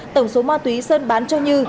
tổng số ma túy sơn bán cho như